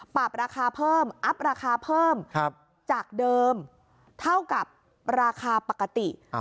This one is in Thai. ปรับราคาเพิ่มอัพราคาเพิ่มจากเดิมเท่ากับราคาปกติ